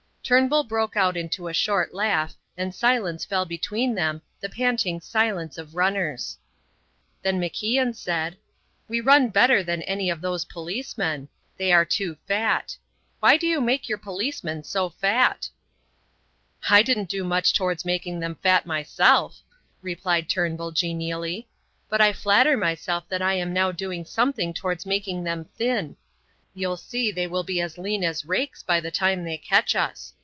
Turnbull broke out into a short laugh, and silence fell between them, the panting silence of runners. Then MacIan said: "We run better than any of those policemen. They are too fat. Why do you make your policemen so fat?" "I didn't do much towards making them fat myself," replied Turnbull, genially, "but I flatter myself that I am now doing something towards making them thin. You'll see they will be as lean as rakes by the time they catch us.